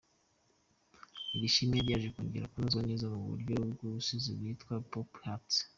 Iri shimwe ryaje kongera kunozwa neza mu buryo bw’ubusizi ryitwa Purple Heart.